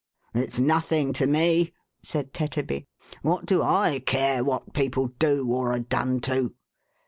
" It's nothing to me," said Tetterby. *• What do I care what people do, or are done to?"